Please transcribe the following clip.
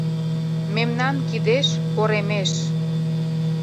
Мемнан кидеш поремеш.